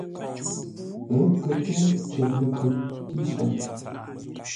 Ə́ kə pə́ cər ləkhʉŋ kísəm.